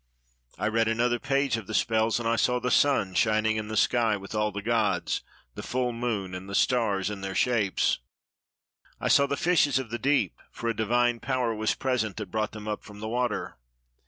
I read another page of the spells, and I saw the sun shining in the sky with all the gods, the full moon, and the stars in their shapes; I saw the fishes of the deep, for a divine power was present that brought them up from the water.